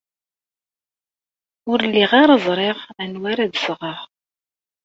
Ur lliɣ ara ẓriɣ anwa ara d-sɣeɣ.